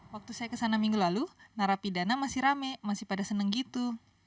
waktu saya kesana minggu lalu narapidana masih rame masih pada seneng gitu